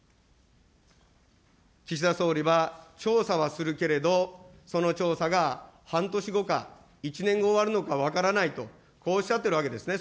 岸田総理は、調査はするけれども、その調査が半年後か１年後終わるのか分からないと、こうおっしゃっているわけですね。